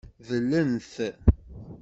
Dlen-t.